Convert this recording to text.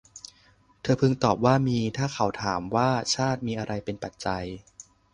เธอพึงตอบว่า มี ถ้าเขาถามว่า ชาติมีอะไรเป็นปัจจัย